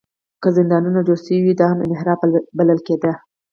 که زندانونه جوړ شوي وي، دا هم انحراف بلل کېده.